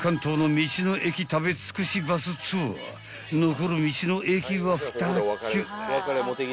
［残る道の駅はふたちゅ］